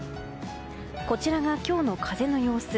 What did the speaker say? こちらが今日の風の様子。